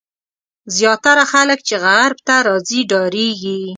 زیاتره خلک چې غرب ته راځي ډارېږي.